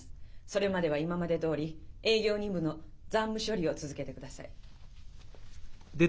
それまでは今までどおり営業２部の残務処理を続けてください。